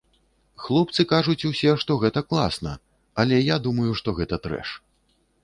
Хлопцы кажуць усе, што гэта класна, але я думаю, што гэта трэш.